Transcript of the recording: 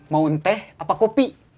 mau teh apa kopi